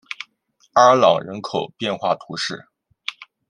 阿尔朗人口变化图示